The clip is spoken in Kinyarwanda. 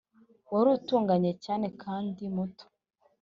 wari utunganye cyane kandi muto.